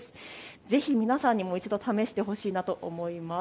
ぜひ皆さんにも一度試してほしいなと思います。